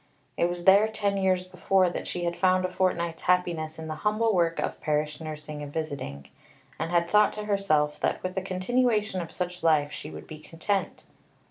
It was there, ten years before, that she had found a fortnight's happiness in the humble work of parish nursing and visiting, and had thought to herself that with a continuation of such life she would be content.